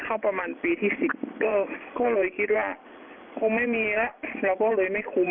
ประมาณปีที่๑๐ก็เลยคิดว่าคงไม่มีแล้วเราก็เลยไม่คุ้ม